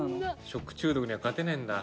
食中毒には勝てねえんだ。